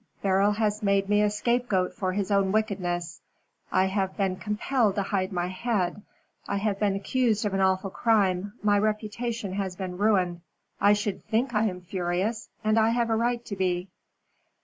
Beryl has made me a scape goat for his own wickedness. I have been compelled to hide my head. I have been accused of an awful crime my reputation has been ruined. I should think I am furious, and I have a right to be."